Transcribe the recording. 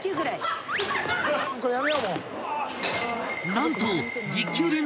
［何と］